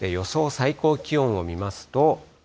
最高気温を見ますと。